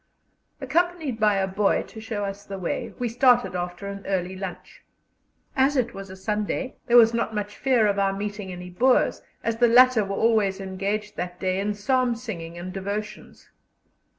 Accompanied by a boy to show us the way, we started after an early lunch. As it was a Sunday, there was not much fear of our meeting any Boers, as the latter were always engaged that day in psalm singing and devotions.